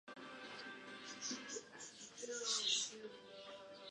Los niños, aterrados, confunden a Michael Myers con el hombre del saco.